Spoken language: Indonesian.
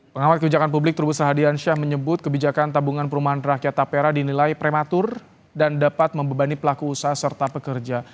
pengamat kebijakan publik trubus hadiansyah menyebut kebijakan tabungan perumahan rakyat tapera dinilai prematur dan dapat membebani pelaku usaha serta pekerja